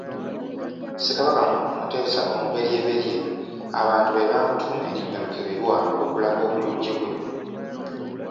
Ssekabaka Muteesa omuberyeberye abantu be bamutuuma erinnya Lukeberwa okulaga obulungi bwe.